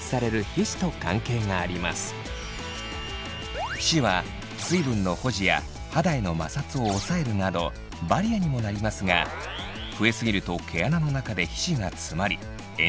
皮脂は水分の保持や肌への摩擦を抑えるなどバリアにもなりますが増えすぎると毛穴の中で皮脂が詰まり炎症状態が起きます。